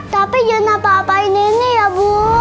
tapi jangan apa apain ini ya bu